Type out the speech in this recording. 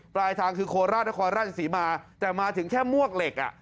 ปลายทางคือโคราชนครราชศรีมาแต่มาถึงแค่มวกเหล็กอ่ะ